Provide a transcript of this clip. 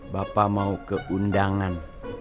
bapak mau ke undangan